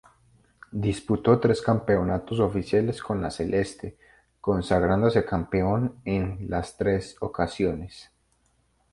Disputó tres campeonatos oficiales con la celeste, consagrándose campeón en las tres ocasiones.